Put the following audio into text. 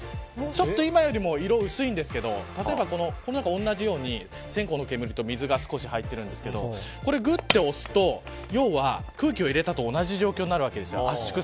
ちょっと今よりも色が薄いんですけど同じように線香の煙と水が少し入っているんですけどぐっと押すと、空気を入れたと同じ状況になるわけです。